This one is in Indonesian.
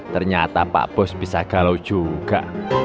ternyata pak bos bisa galau juga